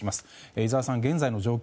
井澤さん、現在の状況